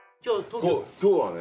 今日はね